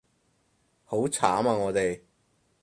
好慘啊我哋